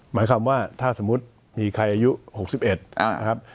หมายความว่าถ้าสมมุติมีใครอายุ๖๑นะครับ